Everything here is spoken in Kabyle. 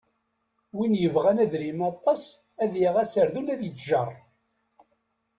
Win yebɣan adrim aṭas, ad yaɣ aserdun ad yettjeṛ.